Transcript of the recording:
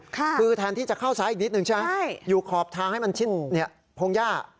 คือแทนที่จะเข้าซ้ายอีกนิดนึงใช่ไหมอยู่ขอบทางให้มันชิ้นพงหญ้า